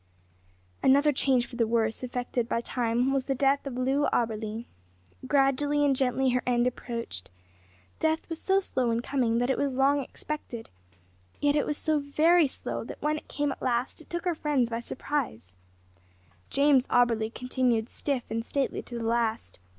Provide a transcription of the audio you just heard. Another change for the worse effected by time was the death of Loo Auberly. Gradually and gently her end approached. Death was so slow in coming that it was long expected, yet it was so very slow that when it came at last it took her friends by surprise. James Auberly continued stiff and stately to the last.